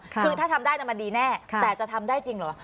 คือถ้าทำได้มันดีแน่แต่จะทำได้จริงเหรอ